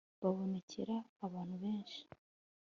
babonekera abantu benshi